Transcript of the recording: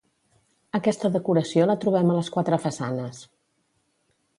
Aquesta decoració la trobem a les quatre façanes.